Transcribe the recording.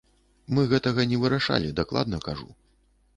Мы гэтага не вырашалі, дакладна кажу.